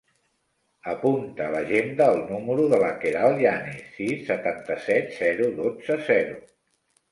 Apunta a l'agenda el número de la Queralt Yanes: sis, setanta-set, zero, dotze, zero.